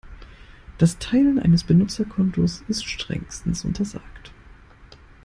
Das Teilen eines Benutzerkontos ist strengstens untersagt.